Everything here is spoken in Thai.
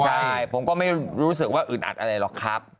ใช่ผมก็ไม่รู้สึกว่าอึดอัดอะไรหรอกครับ